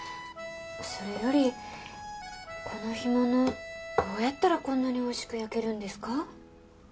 それよりこの干物どうやったらこんなにおいしく焼けるんですか？